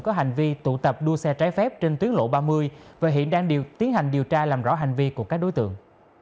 có hành vi tụ tập đua xe trái phép trên tuyến lộ ba mươi và hiện đang điều tiến hành điều tra làm rõ hành vi của các đối tượng